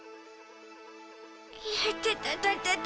いててててて。